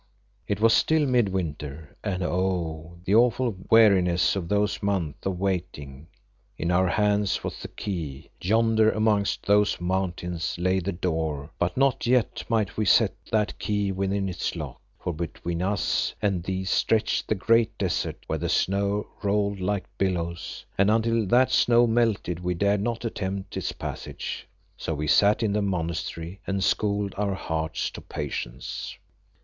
It was still mid winter, and oh! the awful weariness of those months of waiting. In our hands was the key, yonder amongst those mountains lay the door, but not yet might we set that key within its lock. For between us and these stretched the great desert, where the snow rolled like billows, and until that snow melted we dared not attempt its passage. So we sat in the monastery, and schooled our hearts to patience.